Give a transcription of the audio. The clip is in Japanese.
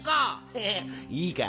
ヘヘッいいか？